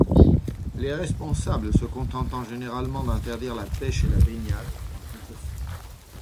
Les responsables se contentant généralement d’interdire la pêche et la baignade, par précaution.